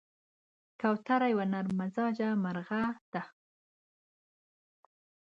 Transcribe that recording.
کوتره یو نرممزاجه مرغه ده.